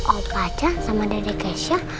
opacan sama dede keisha